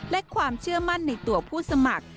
และความเชื่อมั่นในตัวผู้สมัคร